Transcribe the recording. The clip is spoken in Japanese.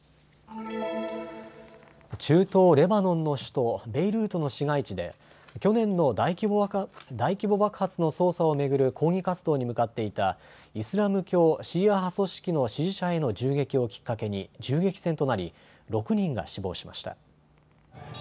中東レバノンの首都ベイルートの市街地で去年の大規模爆発の捜査を巡る抗議活動に向かっていたイスラム教シーア派組織の支持者への銃撃をきっかけに銃撃戦となり６人が死亡しました。